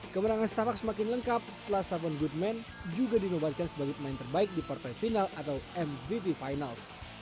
kemenangan stepak semakin lengkap setelah sabon goodman juga dinobatkan sebagai pemain terbaik di partai final atau mvp finals